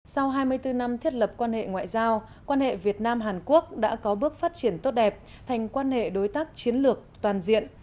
sau hai mươi bốn năm thiết lập quan hệ ngoại giao quan hệ việt nam hàn quốc đã có bước phát triển tốt đẹp thành quan hệ đối tác chiến lược toàn diện